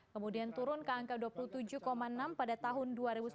kemudian turun ke angka dua puluh tujuh enam pada tahun dua ribu sembilan belas